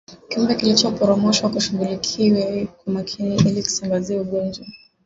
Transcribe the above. Kiumbe kilichoporomoshwa kishughulikiwe kwa makini ili kisisambaze ugonjwa